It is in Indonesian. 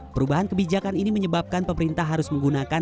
perubahan kebijakan ini menyebabkan pemerintah harus menggunakan